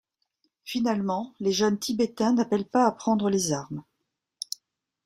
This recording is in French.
Finalement, les jeunes Tibétains n'appellent pas à prendre les armes.